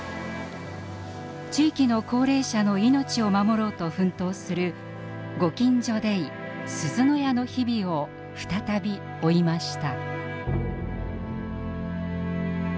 地域の高齢者の命を守ろうと奮闘するご近所デイ・すずの家の日々を再び追いました。